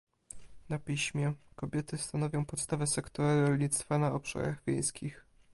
na piśmie - Kobiety stanowią podstawę sektora rolnictwa na obszarach wiejskich